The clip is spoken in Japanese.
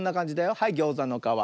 はいギョーザのかわ。